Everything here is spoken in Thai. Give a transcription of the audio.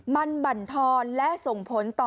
มันบันทรและส่งผลต่อ